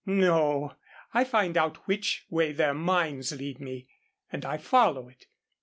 No, I find out which way their minds lead me, and I follow it.